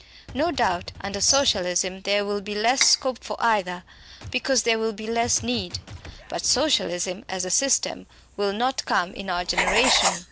No doubt, under Socialism, there will be less scope for either, because there will be less need. But Socialism, as a system, will not come in our generation.